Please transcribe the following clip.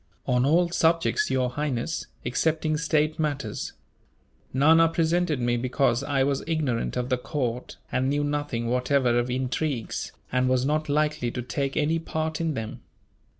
"On all subjects, Your Highness, excepting state matters. Nana presented me because I was ignorant of the court, and knew nothing whatever of intrigues, and was not likely to take any part in them.